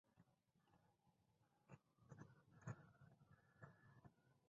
Presenta dimorfismo sexual en el color de su plumaje.